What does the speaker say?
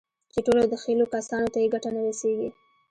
چې ټولو دخيلو کسانو ته يې ګټه نه رسېږي.